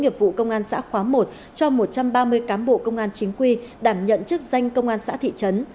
nghiệp vụ công an xã khóa một cho một trăm ba mươi cán bộ công an chính quy đảm nhận chức danh công an xã thị trấn